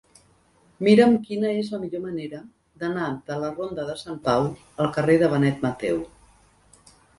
Mira'm quina és la millor manera d'anar de la ronda de Sant Pau al carrer de Benet Mateu.